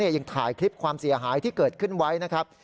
ยังถ่ายคลิปความเสียหายที่เกิดขึ้นไว้นะครับ